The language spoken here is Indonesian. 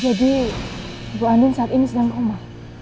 jadi bu anding saat ini sedang koma